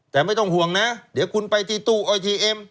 แต่ไม่ต้องห่วงนะเดี๋ยวคุณไปที่ตู้เอทีเอ็ม